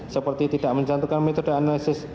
seperti tidak mencantumkan metode analisis